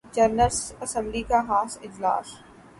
general assembly کا خاص اجلاس